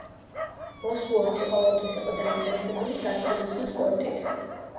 ბოსუორთი ყოველთვის იყო დაინტერესებული საცხენოსნო სპორტით.